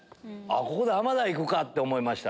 ここでアマダイいくか！って思いました